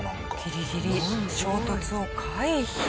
ギリギリ衝突を回避。